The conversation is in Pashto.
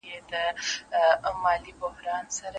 چي خوشحال په زړه زخمي ورڅخه ولاړی